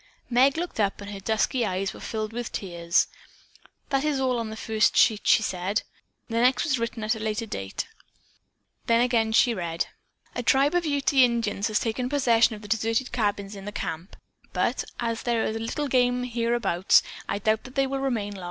'" Meg looked up and her dusky eyes were filled with tears. "That is all on the first sheet," she said. "The next was written at a later date." Then again she read: "'A tribe of Ute Indians has taken possession of the deserted cabins in the camp, but, as there is little game hereabouts, I doubt if they will long remain.'